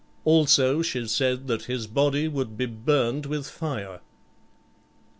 Also she said that his body would be burned with fire.